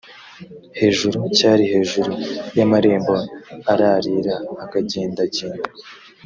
hejuru cyari hejuru y amarembo ararira akagendagenda